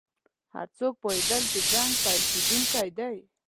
هر څوک پوهېدل چې جنګ پیل کېدونکی دی.